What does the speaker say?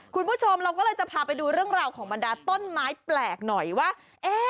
คุณผู้ชมเราก็เลยจะพาไปดูเรื่องราวของบรรดาต้นไม้แปลกหน่อยว่า